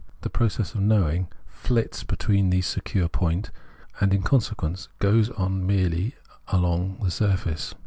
The process of knowing flits between these secure points, and in consequence goes on merely along the surface.